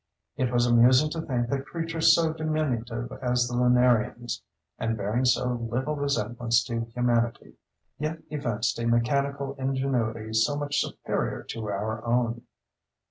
It was amusing to think that creatures so diminutive as the lunarians, and bearing so little resemblance to humanity, yet evinced a mechanical ingenuity so much superior to our own.